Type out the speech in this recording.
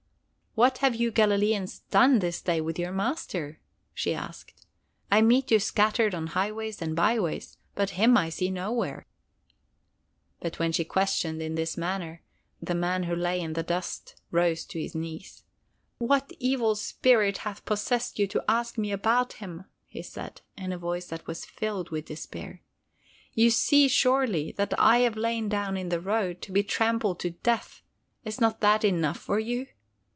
"What have you Galileans done this day with your Master?" she asked. "I meet you scattered on highways and byways, but him I see nowhere." But when she questioned in this manner, the man who lay in the dust rose to his knees. "What evil spirit hath possessed you to ask me about him?" he said, in a voice that was filled with despair. "You see, surely, that I have lain down in the road to be trampled to death. Is not that enough for you?